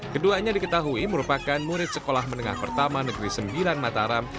keduanya diketahui merupakan murid sekolah menengah pertama negeri sembilan mataram